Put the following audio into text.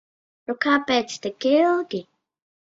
Nu kāpēc tik ilgi?